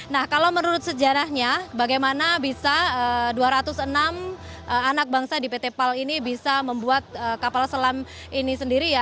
nah kalau menurut sejarahnya bagaimana bisa dua ratus enam anak bangsa di pt pal ini bisa membuat kapal selam ini sendiri ya